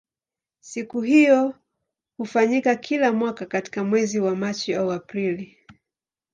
Siku hiyo hufanyika kila mwaka katika mwezi wa Machi au Aprili.